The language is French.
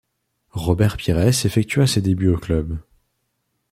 Robert Pirès effectua ses débuts au club.